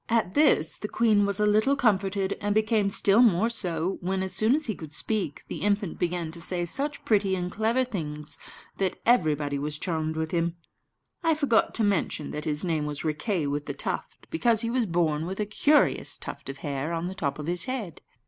At this the queen was a little comforted, and became still more so, when, as soon as he could speak, the infant began to say such pretty and clever things that everybody was charmed with him. (I forgot to mention that his name was Riquet with the Tuft, because he was born with a curious tuft of hair on the top of his head.)